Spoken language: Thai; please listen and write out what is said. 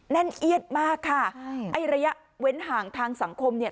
แน่นเอียดมากค่ะไอ้ระยะเว้นห่างทางสังคมเนี่ย